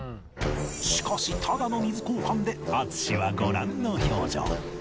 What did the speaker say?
しかしただの水交換で淳はご覧の表情